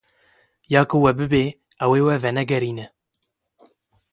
Ya ku we bibe ew ê we venegerîne.